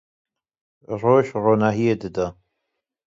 Roj ronahiyê dide